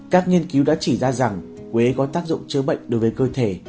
các nghiên cứu đã chỉ ra rằng quế có tác dụng chữa bệnh đối với cơ thể